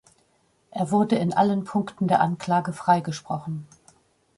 Er wurde in allen Punkten der Anklage freigesprochen.